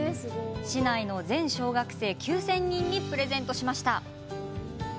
市内の全小学生９０００人にプレゼントしました。